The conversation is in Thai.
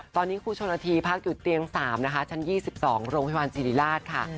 ตอนนี้ครูชนละทีพักอยู่เตียง๓นะคะชั้น๒๒โรงพยาบาลสิริราชค่ะ